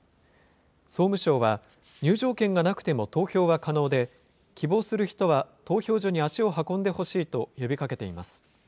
総務省は、入場券がなくても投票は可能で、希望する人は投票所に足を運んでほしいと呼びかけています。